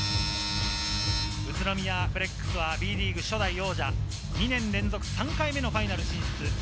宇都宮ブレックスはＢリーグ初代王者、２年連続、３回目のファイナル進出。